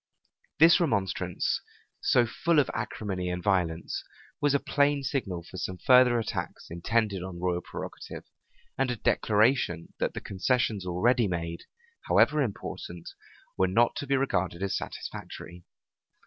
[*] This remonstrance, so full of acrimony and violence, was a plain signal for some further attacks intended on royal prerogative, and a declaration, that the concessions already made, however important, were not to be regarded as satisfactory.